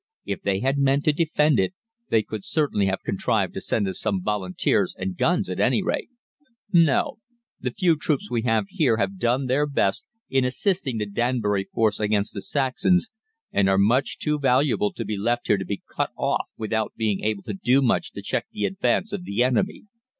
If they had meant to defend it they could certainly have contrived to send us some Volunteers and guns at any rate. No, the few troops we have here have done their best in assisting the Danbury Force against the Saxons, and are much too valuable to be left here to be cut off without being able to do much to check the advance of the enemy.